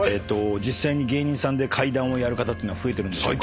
実際に芸人さんで怪談をやる方っていうのは増えてるんでしょうか？